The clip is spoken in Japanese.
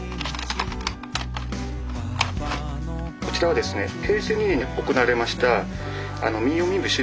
こちらはですね